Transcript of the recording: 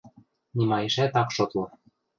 Нимаэшӓт ак шотлы...